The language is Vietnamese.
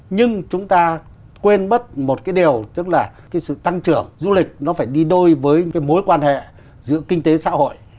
nhưng chúng ta quên bất một điều tức là sự tăng trưởng du lịch phải đi đôi với mối quan hệ giữa kinh tế xã hội